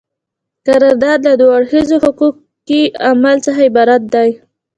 قرارداد له دوه اړخیزه حقوقي عمل څخه عبارت دی.